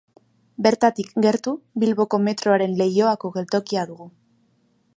Bertatik gertu Bilboko metroaren Leioako geltokia dugu.